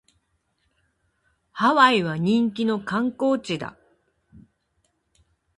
ハワイは人気の観光地だ